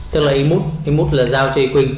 tức là ý mút ý mút là giao cho ý quỳnh